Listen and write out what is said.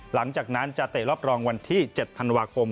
หลังจากนั้นจะเตะรอบรองวันที่๗ธันวาคม